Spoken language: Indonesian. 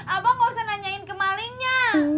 abang nggak usah nanyain kemalingnya